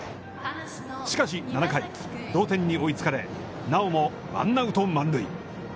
しかし７回、同点に追いつかれ、なおもワンアウト満塁。